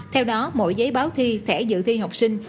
theo đó mỗi giấy báo thi thẻ dự thi học sinh